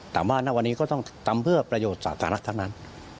ถามว่าหน้าวันนี้ก็ต้องทำเพื่อประโยชน์สาธารณะเท่านั้น